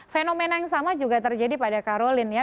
fenomena yang sama juga terjadi pada karolin ya